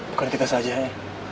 bukan kita saja ya